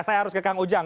saya harus ke kang ujang